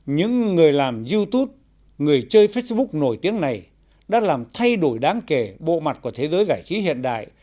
những người làm youtube người chơi facebook nổi tiếng này đã làm thay đổi đáng kể bộ mặt của thế giới giải trí hiện đại